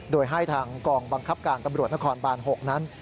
โดยให้ทางกองบังคับการตำรวจนครบาน๖นั้น